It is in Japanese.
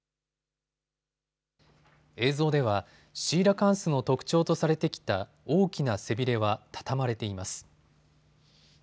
映像ではシーラカンスの特徴とされてきた大きな背びれは畳まれています。